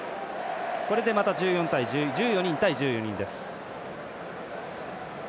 これでまた１４人対１４人です。